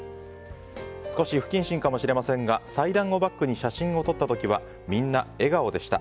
少し不謹慎かもしれませんが祭壇をバックに写真を撮った時はみんな、笑顔でした。